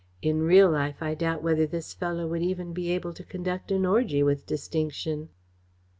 In real life I doubt whether this fellow would even be able to conduct an orgy with distinction."